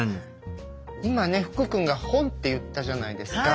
今ね福君が本って言ったじゃないですか。